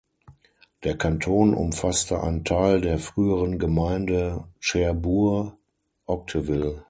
Der Kanton umfasste einen Teil der früheren Gemeinde Cherbourg-Octeville.